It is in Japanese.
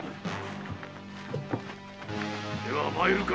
では参るか。